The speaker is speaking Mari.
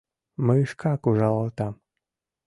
— Мый шкак ужалалтам.